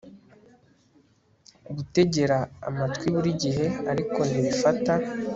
Gutegera amatwi burigihe ariko ntibifata